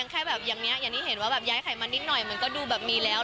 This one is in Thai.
อย่างนี้เห็นว่าย้ายไขมันนิดหน่อยมันก็ดูแบบมีแล้ว